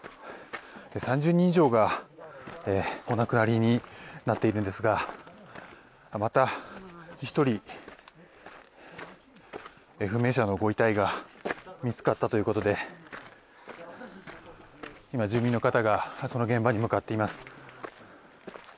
３０人以上がお亡くなりになっているんですがまた１人、不明者のご遺体が見つかったということで今、住民の方がその現場に向かっています。